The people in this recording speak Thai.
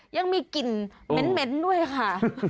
ยังมีกลิ่นเหม็นด้วยค่ะ